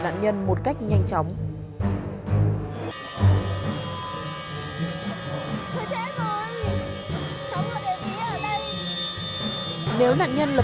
đây anh ổn chứ